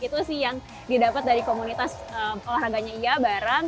itu sih yang didapat dari komunitas olahraganya iya bareng